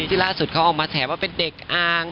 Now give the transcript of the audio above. ที่ล่าสุดเขาออกมาแฉว่าเป็นเด็กอาง